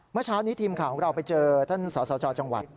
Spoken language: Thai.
เมื่อเช้านี้ทีมข่าวของเราไปเจอท่านสสจจังหวัด